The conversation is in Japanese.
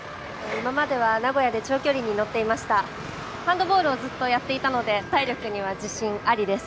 今までは名古屋で長距離に乗っていましたハンドボールをずっとやっていたので体力には自信ありです